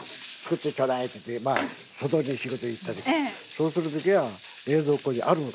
そうする時は冷蔵庫にあるもの。